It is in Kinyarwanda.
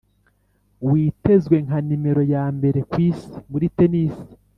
Witezwe nka nimero ya mbere ku isi muri tennis